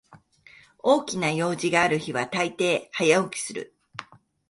大きな用事がある日はたいてい早起きする